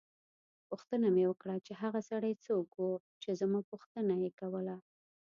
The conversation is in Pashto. پوښتنه مې وکړه چې هغه سړی څوک وو چې زما پوښتنه یې کوله.